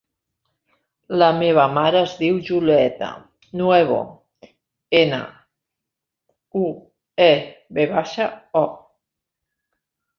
La meva mare es diu Julieta Nuevo: ena, u, e, ve baixa, o.